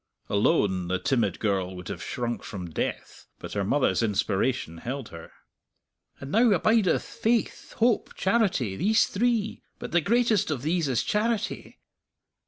Alone, the timid girl would have shrunk from death, but her mother's inspiration held her. "_'And now abideth faith, hope, charity, these three: but the greatest of these is charity.'